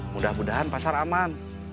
mudah mudahan pasar aman